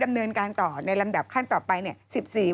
เนินการต่อในลำดับขั้นต่อไปเนี่ย